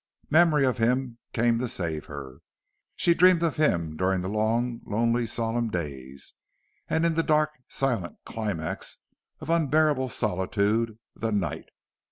Memory of him came to save her. She dreamed of him during the long, lonely, solemn days, and in the dark, silent climax of unbearable solitude the night.